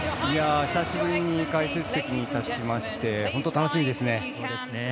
久しぶりに解説席に立ちまして本当、楽しみですね。